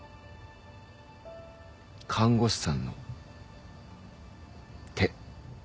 看護師さんの手。